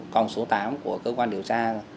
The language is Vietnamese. còng số tám của cơ quan điều tra